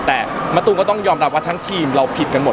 แต่มะตูมก็ต้องยอมรับว่าทั้งทีมเราผิดกันหมด